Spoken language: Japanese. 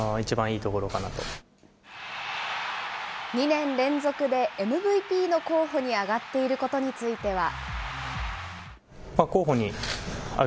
２年連続でＭＶＰの候補に挙がっていることについては。